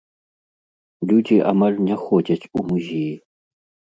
Людзі амаль не ходзяць у музеі.